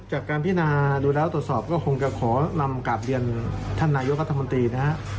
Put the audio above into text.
การพินาดูแล้วตรวจสอบก็คงจะขอนำกลับเรียนท่านนายกรัฐมนตรีนะฮะ